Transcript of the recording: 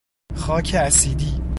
خاک اسیدی